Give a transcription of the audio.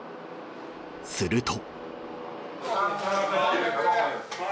すると。